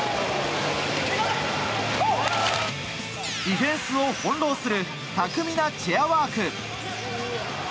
ディフェンスを翻弄する巧みなチェアワーク。